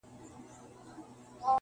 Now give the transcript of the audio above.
چي دي هر گړی زړه وسي په هوا سې-